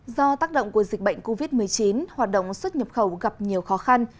do tác động của dịch bệnh covid một mươi chín hoạt động xuất nhập khẩu gặp nhiều khó khăn